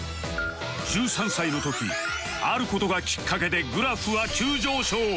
１３歳の時ある事がきっかけでグラフは急上昇